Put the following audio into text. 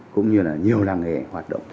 cũng như là nhiều làng hề hoạt động